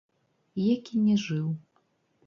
Як і не жыў.